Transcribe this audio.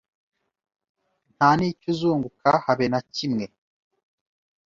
nta nicyo uzunguka habe na kimwe